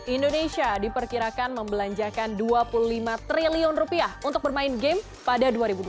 indonesia diperkirakan membelanjakan dua puluh lima triliun rupiah untuk bermain game pada dua ribu dua puluh